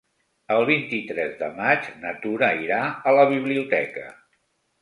El vint-i-tres de maig na Tura irà a la biblioteca.